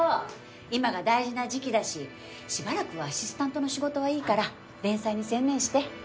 今が大事な時期だししばらくアシスタントの仕事はいいから連載に専念して。